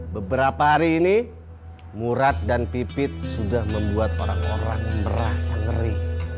beberapa hari ini murad dan pipit sudah membuat orang orang merasa ngeri